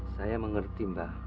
saya mengerti mba